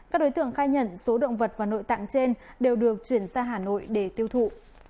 các đối tượng khai nhận số động vật và nội tạng trên đều được chuyển ra hà nội để tiêu thụ